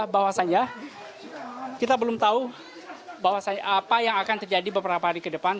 bahwasannya kita belum tahu bahwa apa yang akan terjadi beberapa hari ke depan